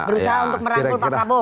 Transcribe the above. berusaha untuk merangkul pak prabowo